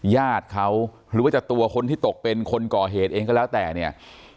ญาติเขาหรือว่าจะตัวคนที่ตกเป็นคนก่อเหตุเองก็แล้วแต่เนี่ย